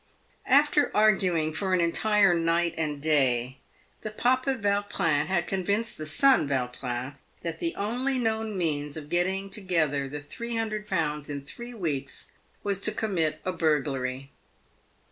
After arguing for an entire night and day, the papa Vautrin had convinced the son Yautrin that the only known means of getting to gether 300Z. in three weeks was to commit a burglary.